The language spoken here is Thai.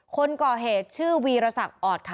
คนก่อเหตุชื่อวีรศักดิ์ออดค่ะ